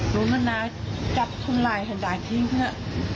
รู้มั้นนะจับทุ่มลายหันด่ายทิ้งเพื่อ